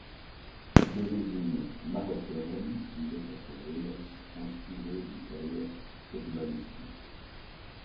D'origine marocaine, il est à sa jeunesse inspiré d'une carrière footballistique.